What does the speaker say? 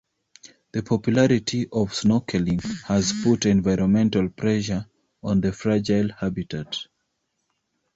The popularity of snorkeling has put environmental pressure on the fragile habitat.